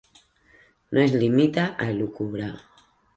No es limita a elucubrar.